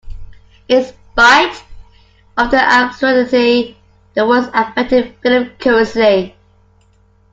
In spite of their absurdity the words affected Philip curiously.